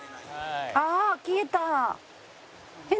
ああ消えた。